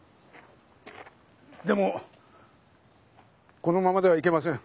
でもこのままではいけません。